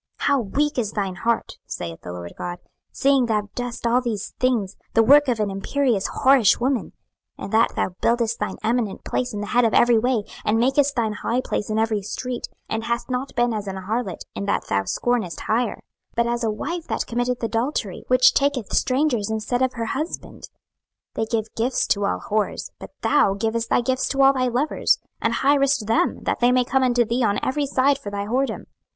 26:016:030 How weak is thine heart, saith the LORD GOD, seeing thou doest all these things, the work of an imperious whorish woman; 26:016:031 In that thou buildest thine eminent place in the head of every way, and makest thine high place in every street; and hast not been as an harlot, in that thou scornest hire; 26:016:032 But as a wife that committeth adultery, which taketh strangers instead of her husband! 26:016:033 They give gifts to all whores: but thou givest thy gifts to all thy lovers, and hirest them, that they may come unto thee on every side for thy whoredom.